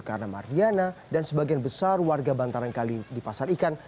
karena mardiana dan sebagian besar warga bantaran kalipasar ikan